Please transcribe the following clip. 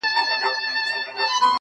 دښایستونو خدایه اور ته به مي سم نیسې,